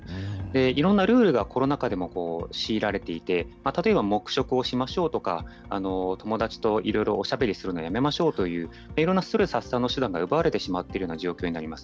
いろんなルールがコロナ禍でも強いられていて、例えば黙食をしましょうとか、友達といろいろおしゃべりするのやめましょうという、いろんなストレス発散の手段が奪われてしまってるような状況になります。